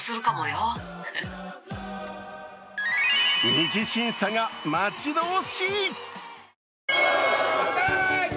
２次審査が待ち遠しい！